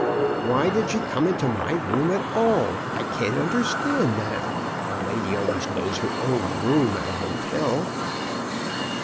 '* Why did she come into my room at all? I can't understand that. A lady always knows her own room at a hotel."